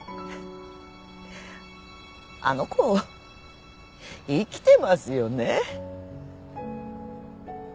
あの子生きてますよね。